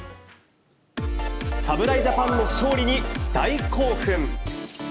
侍ジャパンの勝利に大興奮。